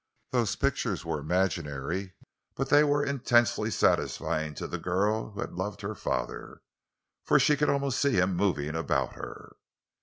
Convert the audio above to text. Those pictures were imaginary, but they were intensely satisfying to the girl who had loved her father, for she could almost see him moving about her.